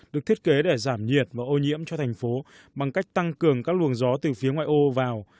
được thiết kế để giảm nhiệt và ô nhiễm cho thành phố bằng cách tăng cường các luồng gió từ phía ngoại ô vào